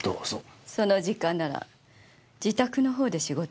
その時間なら自宅のほうで仕事していたわ。